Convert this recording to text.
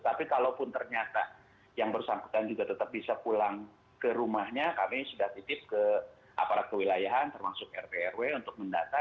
tapi kalaupun ternyata yang bersangkutan juga tetap bisa pulang ke rumahnya kami sudah titip ke aparat kewilayahan termasuk rt rw untuk mendata